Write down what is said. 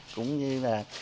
cũng như là